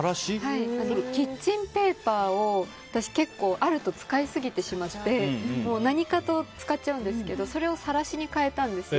キッチンペーパーを私結構あると使いすぎてしまって何かと、使っちゃうんですけどそれをサラシに変えたんですよ。